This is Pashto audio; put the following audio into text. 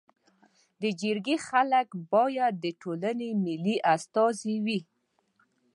د جرګي خلک باید د ټولني منلي استازي وي.